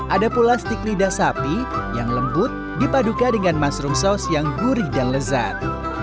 ada pula stik lidah sapi yang lembut dipadukan dengan mushroom saus yang gurih dan lezat